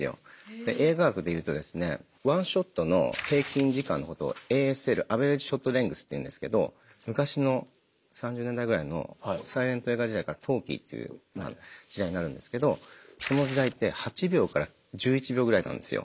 映画学でいうとですねワンショットの平均時間のことをＡＳＬＡｖｅｒａｇｅＳｈｏｔＬｅｎｇｔｈっていうんですけど昔の３０年代ぐらいのサイレント映画時代からトーキーっていう時代になるんですけどその時代って８秒から１１秒ぐらいなんですよ。